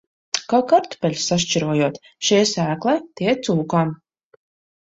Kā kartupeļus sašķirojot – šie sēklai, tie cūkām.